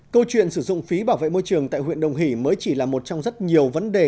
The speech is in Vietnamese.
câu chuyện sử dụng phí bảo vệ môi trường tại huyện đồng hỷ mới chỉ là một trong rất nhiều vấn đề